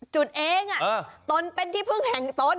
จุดเองตนเป็นที่พึ่งแห่งตน